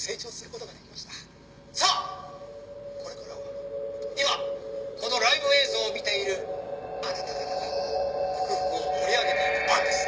これからは今このライブ映像を見ているあなた方が福々を盛り上げていく番です！」